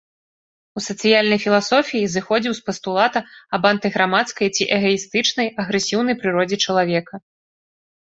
У сацыяльнай філасофіі зыходзіў з пастулата аб антыграмадскай, ці эгаістычнай, агрэсіўнай прыродзе чалавека.